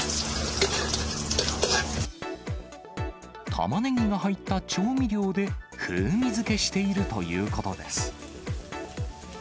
タマネギが入った調味料で、風味付けしているということです。